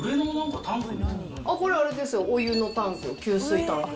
これ、あれですよ、お湯のタンク、給水タンク。